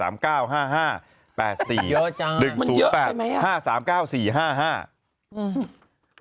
มันเยอะใช่ไหม